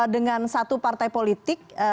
dengan satu partai politik